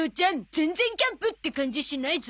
全然キャンプって感じしないゾ？